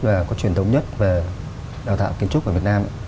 và có truyền thống nhất về đào tạo kiến trúc ở việt nam